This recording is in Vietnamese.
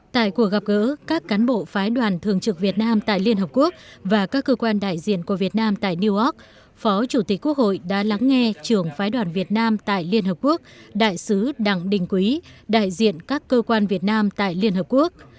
tại cuộc gặp gỡ các cán bộ phái đoàn thường trực việt nam tại liên hợp quốc và các cơ quan đại diện của việt nam tại newark phó chủ tịch quốc hội đã lắng nghe trưởng phái đoàn việt nam tại liên hợp quốc đại sứ đặng đình quý đại diện các cơ quan việt nam tại liên hợp quốc